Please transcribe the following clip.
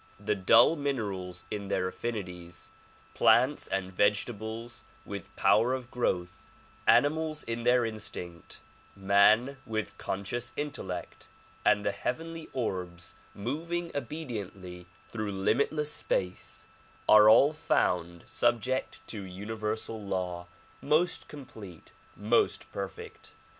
The dull minerals in their affinities, plants and vegetables with power of growth, animals in their instinct, man with conscious intellect, and the heavenly orbs moving obediently through limitless space are all found subject to universal law, most complete, most perfect.